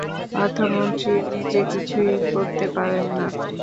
অর্থমন্ত্রীও নিজে কিছুই করতে পারেন না।